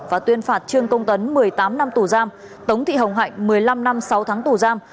và tuyên phạt trương công tấn một mươi tám năm tù giam tống thị hồng hạnh một mươi năm năm sáu tháng tù giam